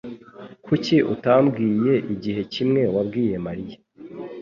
Kuki utabwiye igihe kimwe wabwiye Mariya?